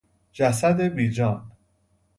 جسد بیجان